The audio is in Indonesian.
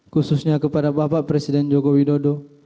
khususnya kepada bapak presiden joko widodo